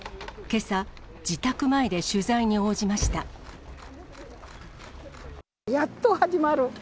けさ、やっと始まる。